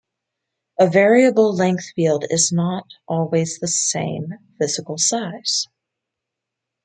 A variable length field is not always the same physical size.